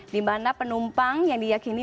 dimana penumpang yang diakini